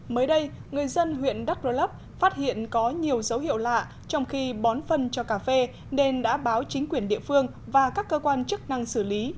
mới đây người dân huyện đắk rơ lấp phát hiện có nhiều dấu hiệu lạ trong khi bón phân cho cà phê nên đã báo chính quyền địa phương và các cơ quan chức năng xử lý